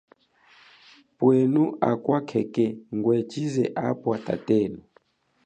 Pwenu akwa khekhe ngwe chize apwa tatenu.